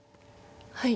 はい。